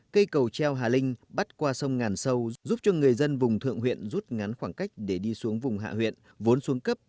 cây cầu treo hà linh bắt qua sông ngàn sâu giúp cho người dân vùng thượng huyện rút ngắn khoảng cách để đi xuống vùng hạ huyện vốn xuống cấp